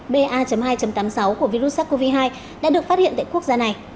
ba hai tám mươi sáu của virus sars cov hai đã được phát hiện tại quốc gia này